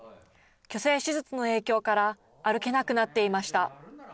去勢手術の影響から歩けなくなっていました。